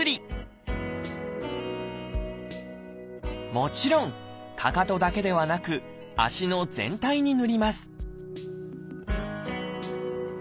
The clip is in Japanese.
もちろんかかとだけではなく足の全体にぬります